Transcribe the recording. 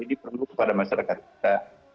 ini perlu kepada masyarakat kita